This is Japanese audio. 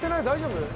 大丈夫？